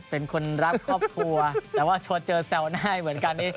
เป็นคนรักครอบครัวแต่ว่าโชว์เจอแซวได้เหมือนกันนี่